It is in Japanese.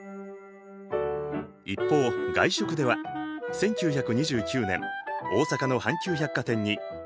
一方外食では１９２９年大阪の阪急百貨店に大食堂がオープン。